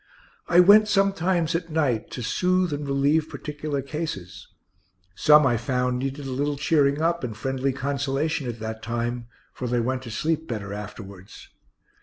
I went sometimes at night to soothe and relieve particular cases; some, I found, needed a little cheering up and friendly consolation at that time, for they went to sleep better afterwards.